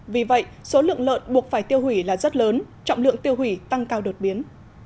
vì vậy số lượng lợn buộc phải tiêu hủy là rất lớn trọng lượng tiêu hủy tăng cao đột biến